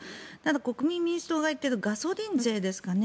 国民民主党が言っているガソリン税ですかね。